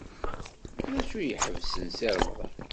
D acu ay iḥebsen Si Remḍan?